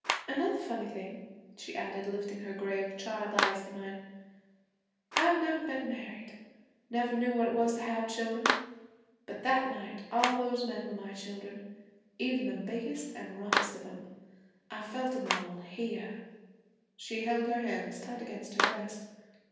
An' another funny thing,' she added lifting her grave child's eyes to mine: 'I've never been married never known what it was to have children but that night all those men were my children, even the biggest an' roughest of 'em. I felt 'em all here' She held her hands tight against her breast.